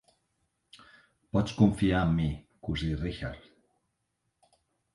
Pots confiar en mi, cosí Richard.